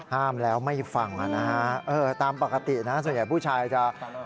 ห้ามแล้วไม่ฟังอ่ะนะฮะเออตามปกตินะส่วนใหญ่ผู้ชายจะ